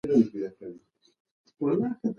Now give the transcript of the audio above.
نظم ماشوم ته مهارتونه ښيي.